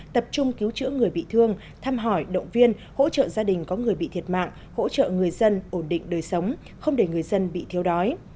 tập trung cứu chữa người bị thương thăm hỏi động viên hỗ trợ gia đình có người bị thiệt mạng hỗ trợ người dân ổn định đời sống không để người dân bị thiếu đói